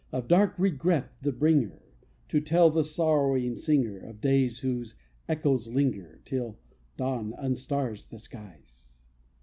Of dark regret the bringer To tell the sorrowing singer Of days whose echoes linger, Till dawn unstars the skies.